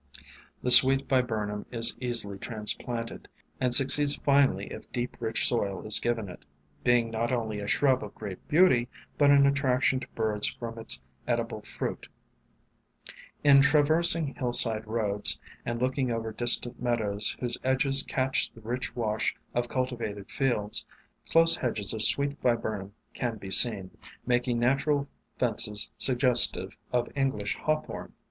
The Sweet Viburnum is easily transplanted, and succeeds finely if deep, rich soil is given it, being not only a shrub of great beauty, but an attraction to birds from its edible fruit. In traversing hillside WAYFARERS 283 roads and looking over distant meadows whose edges catch the rich wash of cultivated fields, close hedges of Sweet Viburnum can be seen, making natural fences suggestive of English Hawthorn.